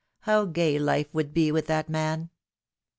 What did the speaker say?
How gay life would be with that man